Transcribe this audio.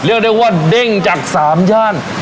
เรียกได้ว่าเด้งจาก๓ย่าน